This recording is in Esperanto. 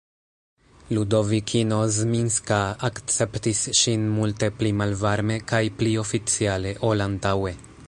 Ludovikino Zminska akceptis ŝin multe pli malvarme kaj pli oficiale, ol antaŭe.